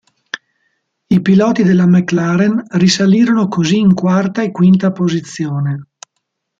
I piloti della McLaren risalirono così in quarta e quinta posizione.